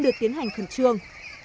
được tiến hành khẩn trương